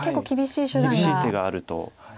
厳しい手があると。